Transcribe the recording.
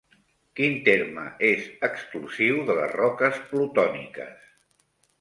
Quin terme és exclusiu de les roques plutòniques?